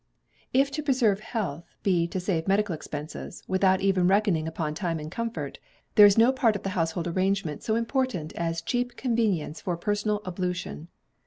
If to preserve health be to save medical expenses, without even reckoning upon time and comfort, there is no part of the household arrangement so important as cheap convenience for personal ablution.